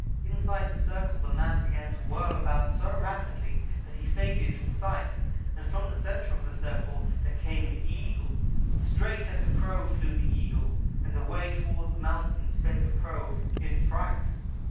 Inside the circle the man began to whirl about so rapidly that he faded from sight, and from the centre of the circle there came an Eagle. Straight at the Crow flew the Eagle, and away toward the mountains sped the Crow, in fright.